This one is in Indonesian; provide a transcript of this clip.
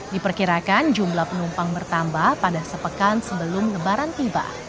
diperkirakan jumlah penumpang bertambah pada sepekan sebelum lebaran tiba